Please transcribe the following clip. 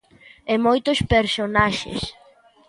E moitos personaxes.